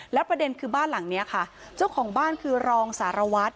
แล้วประเด็นคือบ้านหลังนี้ค่ะเจ้าของบ้านคือรองสารวัตร